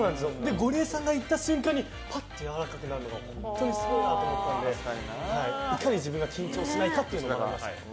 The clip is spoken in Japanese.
ゴリエさんが行った瞬間にぱっとやわらかくなるのが本当にすごいなと思ったのでいかに自分が緊張しないかというのが。